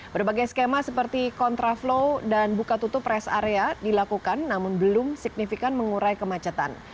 berbagai skema seperti kontraflow dan buka tutup rest area dilakukan namun belum signifikan mengurai kemacetan